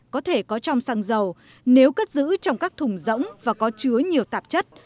có thể có trong xăng dầu nếu cất giữ trong các thùng rỗng và có chứa nhiều tạp chất